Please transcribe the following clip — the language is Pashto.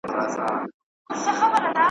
یوې لويی زړې وني ته دمه سول `